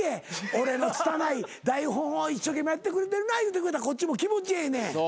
俺の拙い台本を一生懸命やってくれてるな言うてくれたらこっちも気持ちええねん。